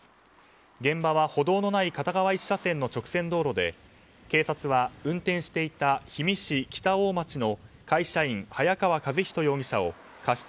現場は歩道のない片側１車線の直線道路で警察は、運転していた氷見市北大町の会社員、早川和人容疑者を過失